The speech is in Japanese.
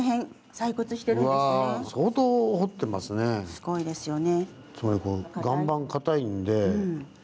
すごいですよね。